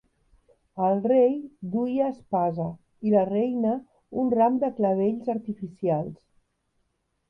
El rei duia espasa i la reina un ram de clavells artificials.